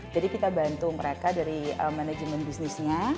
jadi kita bantu mereka dari manajemen bisnisnya